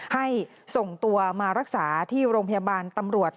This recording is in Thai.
ให้ส่งตัวมารักษาที่โรงพยาบาลตำรวจ